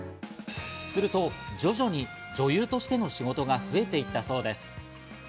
すると徐々に女優としての仕事が増えていったそうです。